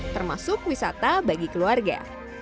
termasuk wisata bagi keluarga